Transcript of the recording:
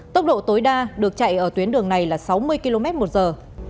tốc độ tối đa được chạy ở tuyến đường này là sáu mươi km một giờ